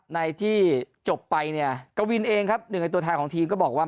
ในที่จบไปเนี่ยกวินเองครับหนึ่งในตัวแทนของทีมก็บอกว่า